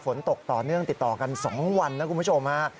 ฝนตกต่อเนื่องติดต่อกัน๒วันนะคุณผู้ชมฮะ